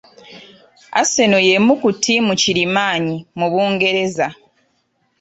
Arsenal y'emu ku ttiimu kirimaanyi mu Bungereza